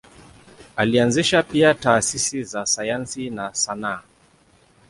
Alianzisha pia taasisi za sayansi na sanaa.